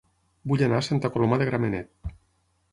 Vull anar a Santa Coloma de Gramenet